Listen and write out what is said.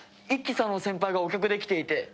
一輝さんの先輩がお客で来ていて。